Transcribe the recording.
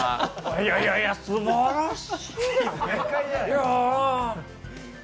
いやいやいや、すばらしい。